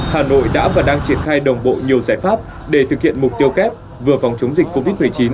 hà nội đã và đang triển khai đồng bộ nhiều giải pháp để thực hiện mục tiêu kép vừa phòng chống dịch covid một mươi chín